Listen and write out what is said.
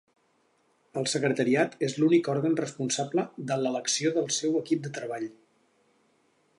El Secretariat és l'únic òrgan responsable de l'elecció del seu equip de treball.